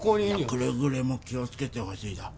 くれぐれも気を付けてほしいんだ。